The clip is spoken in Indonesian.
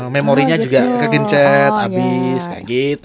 memorinya juga tergencet abis gitu